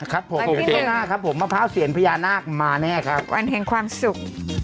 ครับผมครับผมมะพร้าวเซียนพญานาคมาเนี่ยครับวันเห็นความสุข